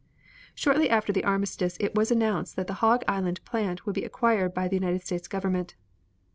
Shortly after the armistice it was announced that the Hog Island plant would be acquired by the United States Government.